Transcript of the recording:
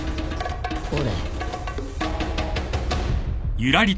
俺。